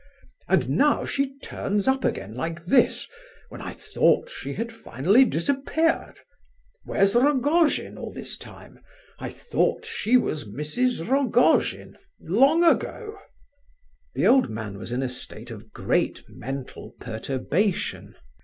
And now she turns up again like this, when I thought she had finally disappeared! Where's Rogojin all this time? I thought she was Mrs. Rogojin, long ago." The old man was in a state of great mental perturbation.